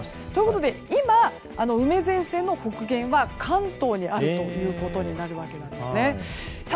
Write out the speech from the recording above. ということで今、梅前線の北限は関東にあるということになるわけです。